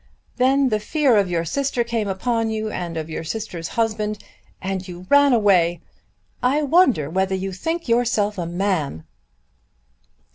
Then the fear of your sister came upon you, and of your sister's husband, and you ran away! I wonder whether you think yourself a man!"